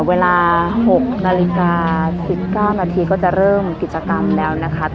เวลา๖นาฬิกา๑๙นาทีก็จะเริ่มกิจกรรมแล้วนะคะ